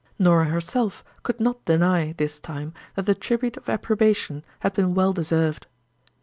Norah herself could not deny this time that the tribute of approbation had been well deserved.